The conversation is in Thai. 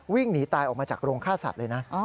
วิ่งหนีตายออกมาจากโรงฆ่าสัตว์เลยนะ